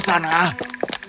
tuhan aku akan pergi ke sana